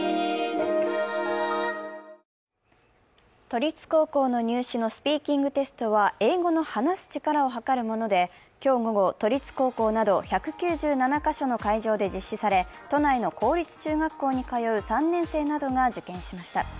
都立高校の入試のスピーキングテストは英語の話す力を測るもので、今日午後、都立高校など１９７か所の会場で実施され都内の公立中学校に通う３年生などが受験しました。